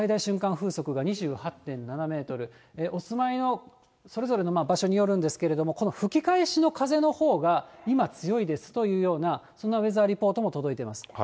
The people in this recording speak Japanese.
風速が２８．７メートル、お住まいのそれぞれの場所によるんですけれども、吹き返しの風のほうが今、強いですというようなそんなウェザーリポートも届いています。